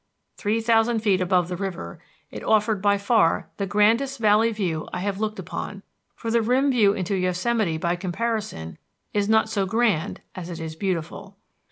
Three thousand feet above the river, it offered by far the grandest valley view I have looked upon, for the rim view into Yosemite by comparison is not so grand as it is beautiful.